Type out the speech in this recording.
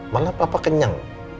malah papa kenyang